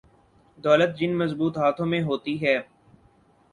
دولت جن مضبوط ہاتھوں میں ہوتی ہے۔